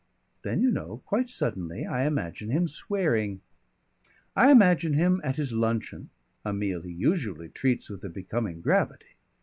Then you know, quite suddenly, I imagine him swearing. I imagine him at his luncheon, a meal he usually treats with a becoming gravity.